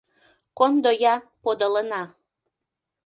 Кондо-я, подылына.